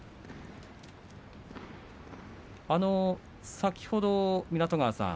先ほど湊川さん